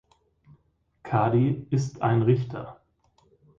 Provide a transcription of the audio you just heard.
Kadi ist ein Richter.